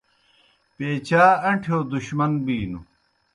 پیچا اݩٹھِیؤ دُشمن بِینوْ